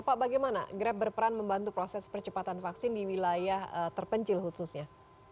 pak bagaimana grab berperan membantu proses percepatan vaksin di wilayah terpencil khususnya